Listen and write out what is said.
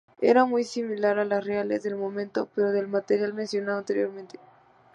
Era muy similar a las reales del momento pero del material mencionado anteriormente.